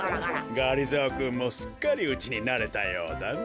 がりぞーくんもすっかりうちになれたようだね。